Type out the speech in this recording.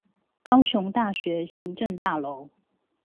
高雄大學行政大樓